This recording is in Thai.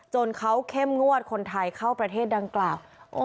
จนเขาเข้มงวดคนไทยเข้าประเทศดังกล่าว